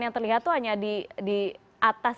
yang terlihat itu hanya di atas